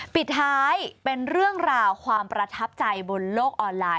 ปิดท้ายเป็นเรื่องราวความประทับใจบนโลกออนไลน